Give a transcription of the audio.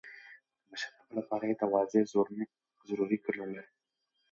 د مشرتابه لپاره يې تواضع ضروري ګڼله.